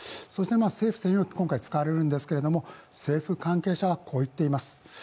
そして、政府専用機が今回使われるんですけれども、政府関係者はこう言っています。